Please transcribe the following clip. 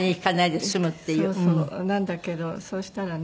なんだけどそうしたらね